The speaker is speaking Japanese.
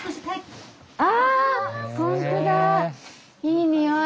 いい匂い。